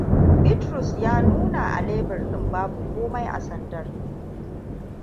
Bitrus ya nuna a lebur ɗin babu komai a sandar.